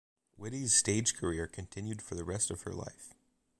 Whitty's stage career continued for the rest of her life.